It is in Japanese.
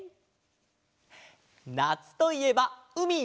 なつといえばうみ！